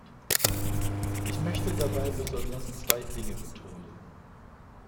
Ich möchte dabei besonders zwei Dinge betonen.